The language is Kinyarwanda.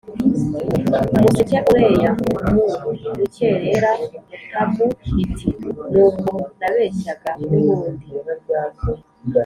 umuseke ureya Mu rukerera Mutamu iti Nuko nabeshyaga n ubundi